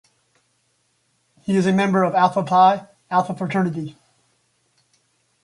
He is a member of Alpha Phi Alpha fraternity.